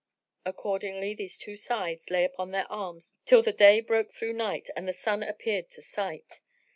Accordingly the two sides lay upon their arms till the day broke through night and the sun appeared to sight.